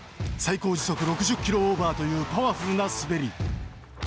最高時速６０キロオーバーというパワフルな滑り。